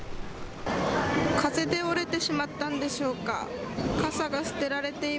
風で折れてしまったんでしょ